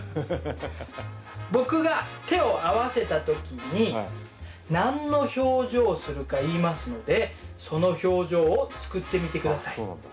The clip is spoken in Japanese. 僕が手を合わせた時に何の表情をするか言いますのでその表情を作ってみて下さい。